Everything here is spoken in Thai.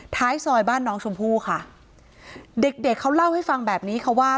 ท้ายซอยบ้านน้องชมพู่ค่ะเด็กเด็กเขาเล่าให้ฟังแบบนี้ค่ะว่า